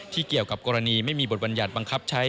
เกี่ยวกับกรณีไม่มีบทบรรยัติบังคับใช้